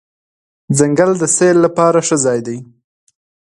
ځنګل د سیل لپاره ښه ځای دی.